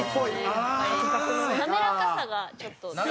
滑らかさがちょっと足りない。